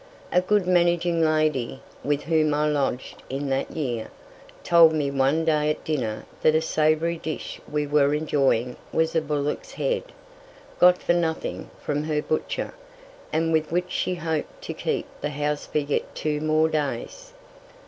A good managing lady, with whom I lodged in that year, told me one day at dinner that a savoury dish we were enjoying was a bullock's head, got for nothing from her butcher, and with which she hoped to keep the house for yet two more days.